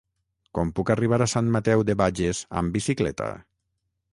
Com puc arribar a Sant Mateu de Bages amb bicicleta?